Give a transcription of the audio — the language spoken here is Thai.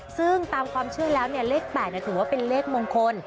ซึ่งตามความเชื่อแล้วเลข๘ถือว่าเป็นเลขมงคล